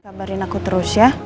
kabarin aku terus ya